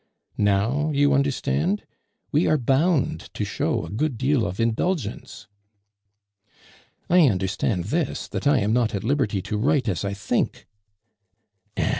Now you understand? We are bound to show a good deal of indulgence." "I understand this, that I am not at liberty to write as I think " "Eh!